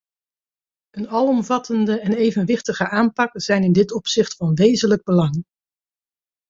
Een alomvattende en evenwichtige aanpak zijn in dit opzicht van wezenlijk belang.